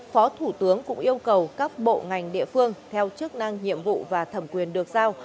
phó thủ tướng cũng yêu cầu các bộ ngành địa phương theo chức năng nhiệm vụ và thẩm quyền được giao